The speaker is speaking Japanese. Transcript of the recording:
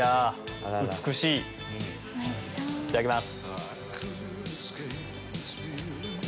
いただきます。